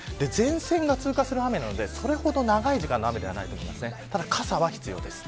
大阪辺りも昼前後から雨前線が通過する雨なのでそれほど長い時間の雨ではないと思います。